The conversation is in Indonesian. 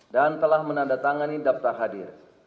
dan telah menandatangani daftar hadir